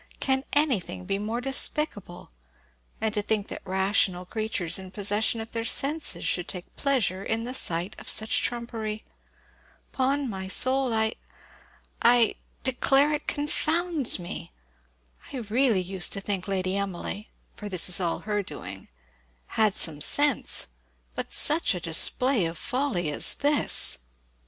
"Can anything be more despicable? and to think that rational creatures in possession of their senses should take pleasure in the sight of such trumpery! 'Pon my soul, I I declare it confounds me! I really used to think Lady Emily (for this is all her doing) had some sense but such a display of folly as this!"